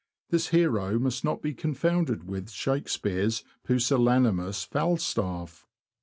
This hero must not be confounded with Shakespeare's pusillanimous Falstaff.